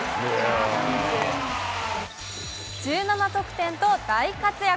１７得点と大活躍。